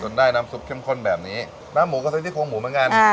จนได้น้ำซุปเข้มข้นแบบนี้แล้วหมูก็ใช้ที่โครงหมูเหมือนกันอ่า